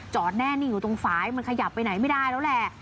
แน่นิ่งอยู่ตรงฝ่ายมันขยับไปไหนไม่ได้แล้วแหละ